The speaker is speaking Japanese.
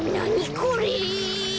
これ。